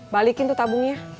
balikin tuh tabungnya